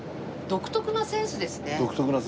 独特なセンスですね。